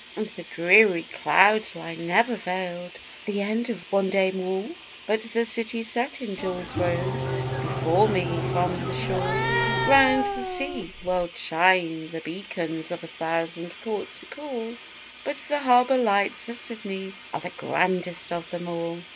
And the dreary cloud line never veiled the end of one day more, But the city set in jewels rose before me from 'The Shore.' Round the sea world shine the beacons of a thousand ports o' call, But the harbour lights of Sydney are the grandest of them all!